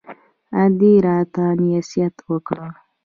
ادې راته نصيحت وکړ.